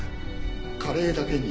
カレーだけに。